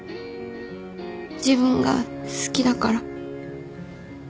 自分が好きだから。